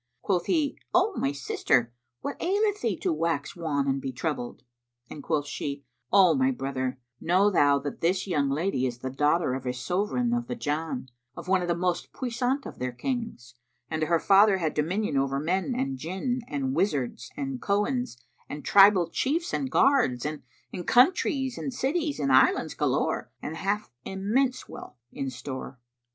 Quoth he, "O my sister, what aileth thee to wax wan and be troubled?"; and quoth she, "O my brother, know thou that this young lady is the daughter of a Sovran of the Jann, of one of the most puissant of their Kings, and her father had dominion over men and Jinn and wizards and Cohens and tribal chiefs and guards and countries and cities and islands galore and hath immense wealth in store.